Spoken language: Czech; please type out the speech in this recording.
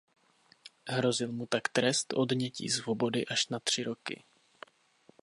Hrozil mu tak trest odnětí svobody až na tři roky.